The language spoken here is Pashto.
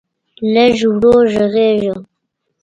لږ ورو غږېږه.